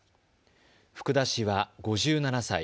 福田氏は５７歳。